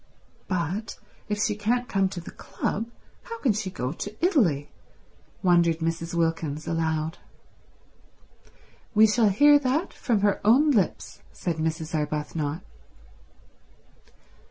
"But if she can't come to the club how can she go to Italy?" wondered Mrs. Wilkins, aloud. "We shall hear that from her own lips," said Mrs. Arbuthnot.